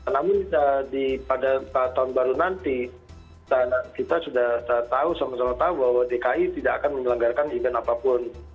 namun pada tahun baru nanti kita sudah tahu sama sama tahu bahwa dki tidak akan menyelenggarkan event apapun